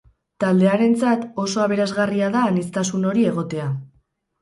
Taldearentzat, oso aberasgarria da aniztasun hori egotea.